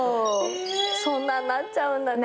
そんなんなっちゃうんだね。